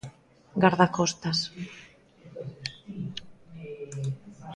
Gardacostas.